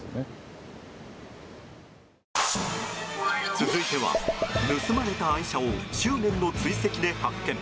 続いては、盗まれた愛車を執念の追跡で発見。